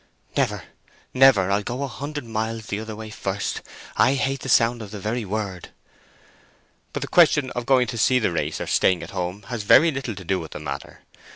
"Never, never! I'll go a hundred miles the other way first. I hate the sound of the very word!" "But the question of going to see the race or staying at home has very little to do with the matter.